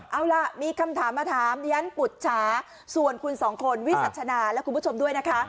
เอาล่ะมีคำถามมาถามดิฉันปุจฉาส่วนคุณสองคนวิสัชนาและคุณผู้ชมด้วยนะคะ